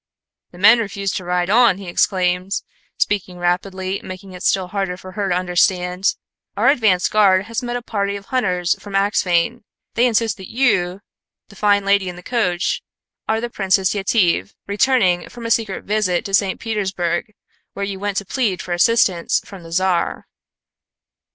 "The men refuse to ride on," he exclaimed, speaking rapidly, making it still harder for her to understand. "Our advance guard has met a party of hunters from Axphain. They insist that you 'the fine lady in the coach' are the Princess Yetive, returning from a secret visit to St. Petersburg, where you went to plead for assistance from the Czar."